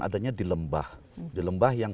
adanya di lembah di lembah yang